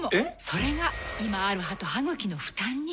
それが今ある歯と歯ぐきの負担に。